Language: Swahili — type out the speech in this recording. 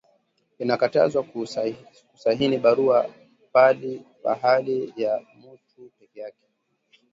Inakatazwa ku sahini barua phali ya mutu peke yake